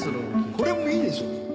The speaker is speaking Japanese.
これもいいでしょ。